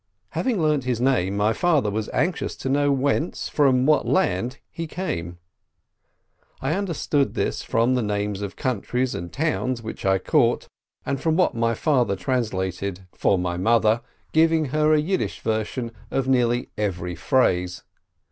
Having learnt his name, my father was anxious to know whence, from what land, he came. I understood this from the names of countries and towns which I caught, and from what my father translated for my THE PASSOVER GUEST 157 mother, giving her a Yiddish version of nearly every phrase.